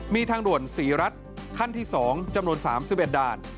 มีทางด่วนศรีรัฐขั้นที่๒จำนวน๓๑ด่าน